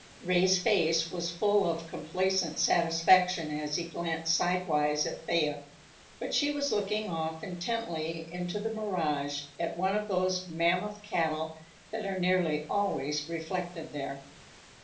Ray's face was full of complacent satisfaction as he glanced sidewise at Thea, but she was looking off intently into the mirage, at one of those mammoth cattle that are nearly always reflected there.